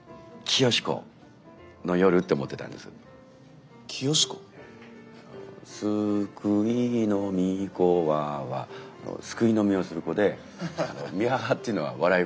「すくいのみ子は」はすくい飲みをする子で「御母」っていうのは笑い声だって。